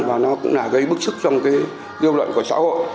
và nó cũng gây bức xức trong ghiêu luận của xã hội